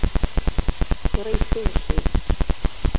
Сара исылшеит.